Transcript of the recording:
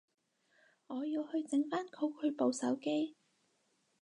我要去整返好佢部手機